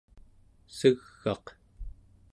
seg'aq